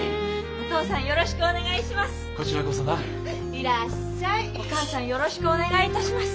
お母さんよろしくお願いいたします。